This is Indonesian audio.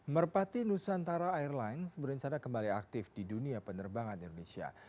merpati nusantara airlines berencana kembali aktif di dunia penerbangan indonesia